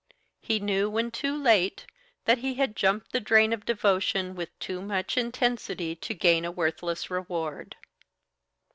He knew, when too late, that he had jumped the drain of devotion with too much intensity to gain a worthless reward.